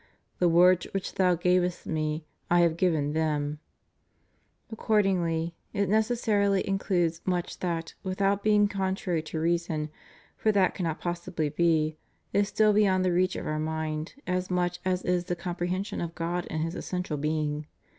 The words which Thou gavest Me, I have given them} Accord ingly, it necessaril) includes much that, without being contrary to reason, for that cannot possibly be, is still beyond the reach of our mind as much as is the compre hension of God in His essential being.